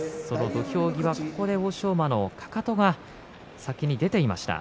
土俵際で欧勝馬のかかとが先に出ていました。